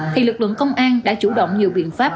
thì lực lượng công an đã chủ động nhiều biện pháp